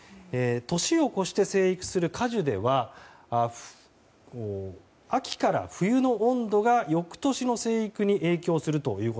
年を越して生育する果樹では秋から冬の温度が翌年の生育に影響すると。